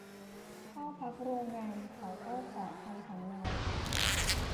เข้าพักโรงแรมเขาก็ขอทำสำเนา